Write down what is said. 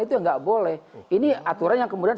itu gak boleh ini aturan yang kemudian